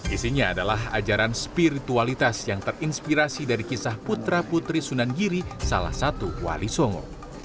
isinya adalah ajaran spiritualitas yang terinspirasi dari kisah putra putri sunan giri salah satu wali songo